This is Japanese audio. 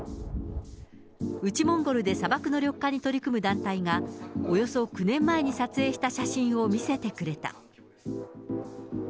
内モンゴルで砂漠の緑化に取り組む団体が、およそ９年前に撮影した写真を見せてくれた。